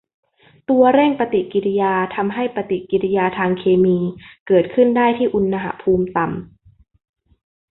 ตัวเร่งปฏิกิริยาทำให้ปฏิกิริยาทางเคมีเกิดขึ้นได้ที่อุณหภูมิต่ำ